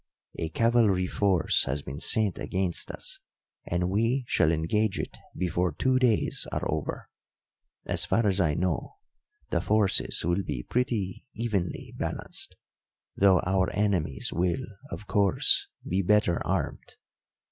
A cavalry force has been sent against us and we shall engage it before two days are over. As far as I know, the forces will be pretty evenly balanced, though our enemies will, of course, be better armed.